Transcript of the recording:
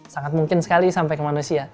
sangat mungkin sekali sampai ke manusia